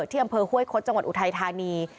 ที่อำเภอห้วยคดจังหวัดอุทัยธานี